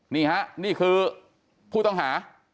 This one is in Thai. นี่คือผู้ต้องหา